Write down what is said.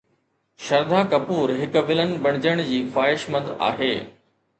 شرڌا ڪپور هڪ ولن بڻجڻ جي خواهشمند آهي